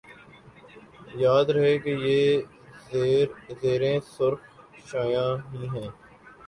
یاد رہے کہ یہ زیریں سرخ شعاعیں ہی ہیں